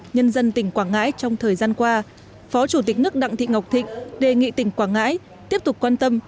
nhân dân tỉnh quảng ngãi trong thời gian qua phó chủ tịch nước đặng thị ngọc thịnh đề nghị tỉnh quảng ngãi tiếp tục quan tâm